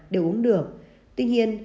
đều uống được tuy nhiên